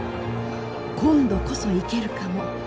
今度こそ行けるかも。